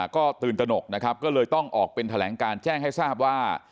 ก็ตื่นตนกนะครับก็เลยต้องออกเป็นแถลงการแจ้งให้ทราบว่า